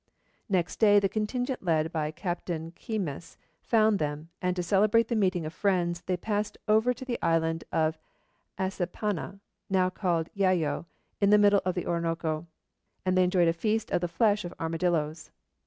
Next day, the contingent led by Captain Keymis found them, and to celebrate the meeting of friends, they passed over to the island of Assapana, now called Yayo, in the middle of the Orinoco, and they enjoyed a feast of the flesh of armadillos.